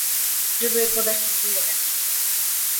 Żeby podać tylko jeden przykład